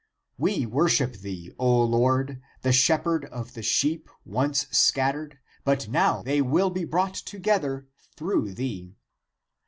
We worship thee, O Lord, the Shepherd of the sheep once scattered, but now they will be brought together through thee.